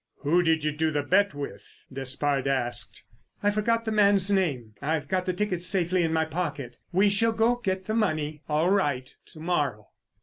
"Who did you do the bet with?" Despard asked. "I forgot the man's name. I've got the ticket safely in my pocket. We shall get the money all right to morrow."